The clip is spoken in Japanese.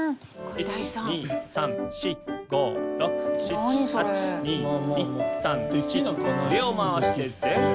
「１２３４５６７８」「２２３４」「腕を回して前後屈」